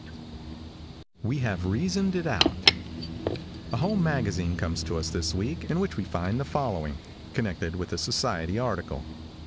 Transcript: WE HAVE REASONED IT OUT. |A HOME magazine comes to us this week, in which we find the following, connected with a society article.